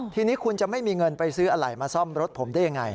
ทีนี้คุณจะไม่มีเงินไปซื้ออะไรมาซ่อมรถผมได้ยังไง